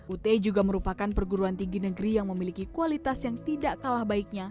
ut juga merupakan perguruan tinggi negeri yang memiliki kualitas yang tidak kalah baiknya